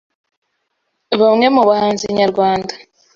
Bamwe mu bahanzi nyarwanda